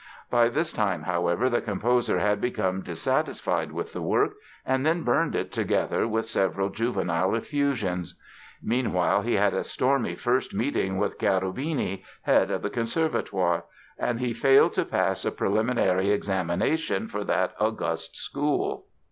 By this time, however, the composer had become dissatisfied with the work and then burned it together with several juvenile effusions. Meanwhile he had a stormy first meeting with Cherubini, head of the Conservatoire; and he failed to pass a preliminary examination for that august school.